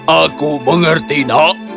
aku mengerti nak